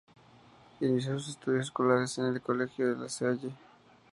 Inició sus estudios escolares en el colegio La Salle.